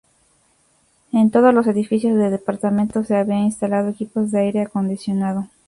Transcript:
En todos los edificios de departamentos se habían instalado equipos de aire acondicionado.